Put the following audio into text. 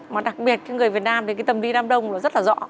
mà đặc biệt cái người việt nam thì cái tâm lý đám đông nó rất là rõ